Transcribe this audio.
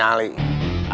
kamu masih punya nyali